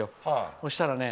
そうしたらね